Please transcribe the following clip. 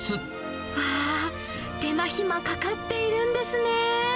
わー、手間暇かかっているんですね。